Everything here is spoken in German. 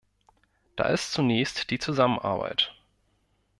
Da ist zunächst die Zusammenarbeit.